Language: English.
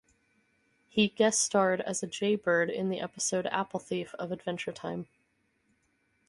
He guest starred as a jaybird in the episode "Apple Thief" of "Adventure Time".